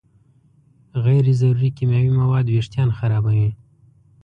غیر ضروري کیمیاوي مواد وېښتيان خرابوي.